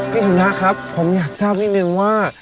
พี่สุนะครับผมอยากทราบนิดนึงว่า